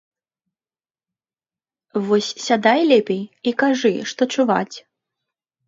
Вось сядай лепей і кажы, што чуваць.